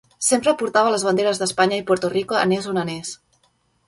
Sempre portava les banderes d'Espanya i Puerto Rico anés on anés.